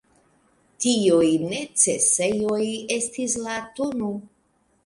Tiuj necesejoj estis la tn.